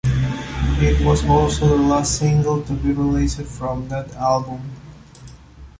It was also the last single to be released from that album.